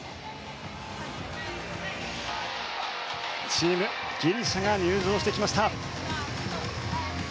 チームギリシャが入場してきました。